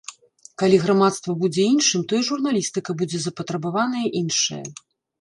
Калі грамадства будзе іншым, то і журналістыка будзе запатрабаваная іншая.